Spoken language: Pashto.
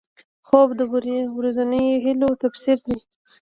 خوب د ورځنیو هیلو تفسیر دی